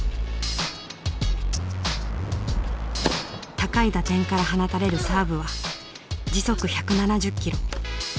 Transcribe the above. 高い打点から放たれるサーブは時速１７０キロ。